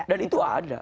dan itu ada